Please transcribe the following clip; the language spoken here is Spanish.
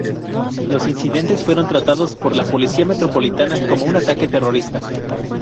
Los incidentes fueron tratados por la Policía Metropolitana como un ataque terrorista.